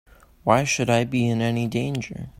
Why should I be in any danger?